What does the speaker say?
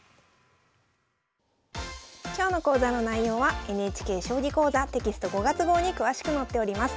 今日の講座の内容はＮＨＫ「将棋講座」テキスト５月号に詳しく載っております。